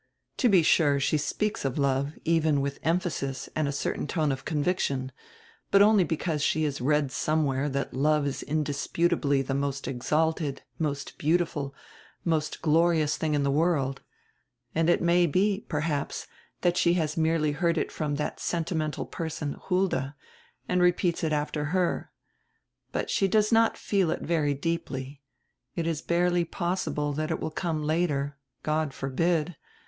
To be sure, she speaks of love, even with emphasis and a certain tone of conviction, but only because she has somewhere read that love is indisputably the most exalted, most beautiful, most glorious tiling in the world. And it may be, perhaps, that she has merely heard it from that sentimental person, Hulda, and repeats it after her. But she does not feel it very deeply. It is barely possible that it will come later. God forbid.